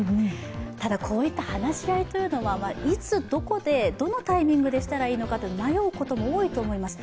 ただ、こういった話し合いというのは、いつどこでどのタイミングでしたらいいのか迷うことも多いと思います。